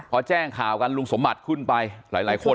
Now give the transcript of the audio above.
พอแจ้งข่าวกันลุงสมบัติขึ้นไปหลายคน